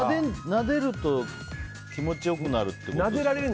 なでると気持ちよくなるってことでしょ。